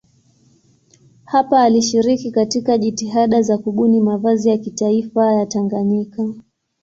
Hapa alishiriki katika jitihada za kubuni mavazi ya kitaifa ya Tanganyika.